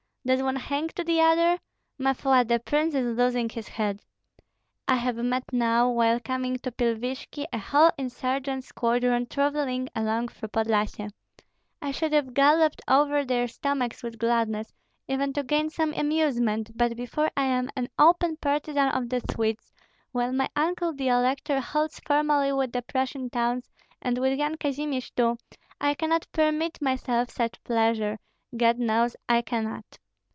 Does one hang to the other? Ma foi, the prince is losing his head. I have met now, while coming to Pilvishki, a whole insurgent squadron travelling along through Podlyasye. I should have galloped over their stomachs with gladness, even to gain some amusement; but before I am an open partisan of the Swedes, while my uncle the elector holds formally with the Prussian towns, and with Yan Kazimir too, I cannot permit myself such pleasure, God knows I cannot.